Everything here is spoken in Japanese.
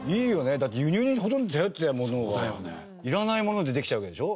だって輸入にほとんど頼っていたものがいらないものでできちゃうわけでしょ。